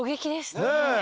ねえ。